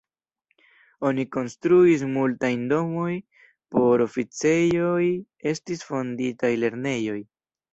Oni konstruis multajn domoj por oficejoj, estis fonditaj lernejoj.